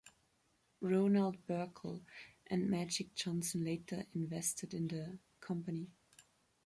Ronald Burkle and Magic Johnson later invested in the company.